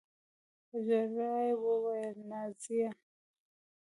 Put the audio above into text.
په ژړا يې وويل نانىه.